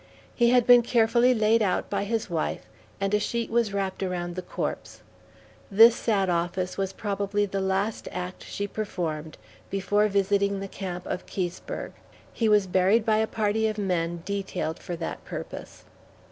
He had been carefully laid out by his wife, and a sheet was wrapped around the corpse. This sad office was probably the last act she performed before visiting the camp of Keseberg. He was buried by a party of men detailed for that purpose.